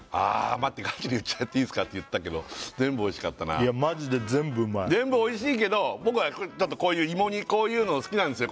待ってガチで言っちゃっていいですかって言ったけど全部美味しかったないやマジで全部うまい全部美味しいけど僕はちょっとこういう芋煮こういうの好きなんですよ